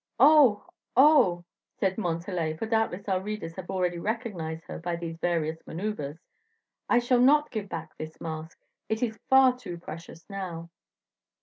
"Oh, oh!" said Montalais, for doubtless our readers have already recognized her by these various maneuvers, "I shall not give back this mask; it is far too precious now."